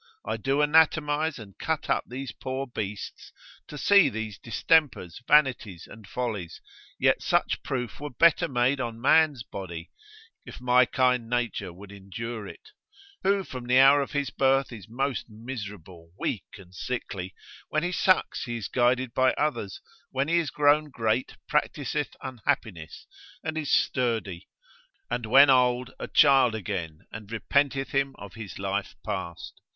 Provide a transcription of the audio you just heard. I do anatomise and cut up these poor beasts, to see these distempers, vanities, and follies, yet such proof were better made on man's body, if my kind nature would endure it: who from the hour of his birth is most miserable; weak, and sickly; when he sucks he is guided by others, when he is grown great practiseth unhappiness and is sturdy, and when old, a child again, and repenteth him of his life past.